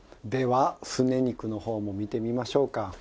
ではすね肉の方も見てみましょうか。